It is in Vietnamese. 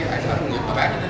bán gà ta là